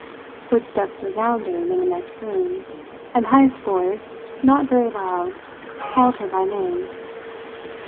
Footsteps resounded in the next room, and Heyst's voice, not very loud, called her by name.